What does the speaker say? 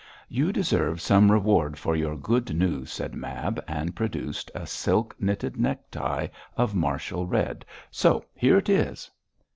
'You deserve some reward for your good news,' said Mab, and produced a silk knitted necktie of martial red, 'so here it is!'